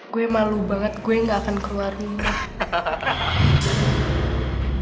gue malu banget gue gak akan keluar nih